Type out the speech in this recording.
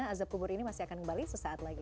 azab kubur ini masih akan kembali sesaat lagi